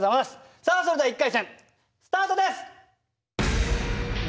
さあそれでは一回戦スタートです！